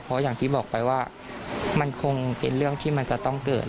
เพราะอย่างที่บอกไปว่ามันคงเป็นเรื่องที่มันจะต้องเกิด